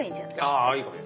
ああいいかも。